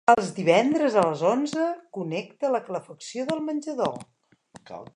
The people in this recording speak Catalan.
Els divendres a les onze connecta la calefacció del menjador.